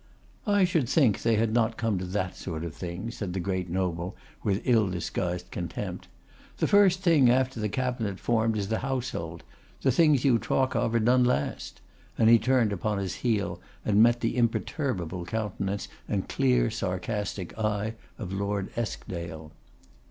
'I should think they had not come to that sort of thing,' said the great noble, with ill disguised contempt.' The first thing after the Cabinet is formed is the Household: the things you talk of are done last;' and he turned upon his heel, and met the imperturbable countenance and clear sarcastic eye of Lord Eskdale.